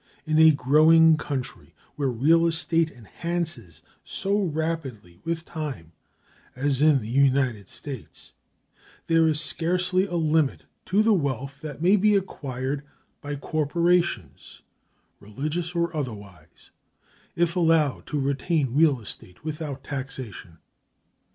In a growing country, where real estate enhances so rapidly with time as in the United States, there is scarcely a limit to the wealth that may be acquired by corporations, religious or otherwise, if allowed to retain real estate without taxation.